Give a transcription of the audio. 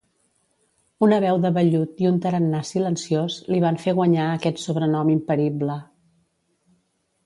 Una veu de vellut i un tarannà silenciós li van fer guanyar aquest sobrenom imperible.